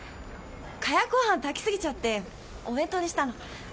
かやくご飯炊きすぎちゃってお弁当にしたの。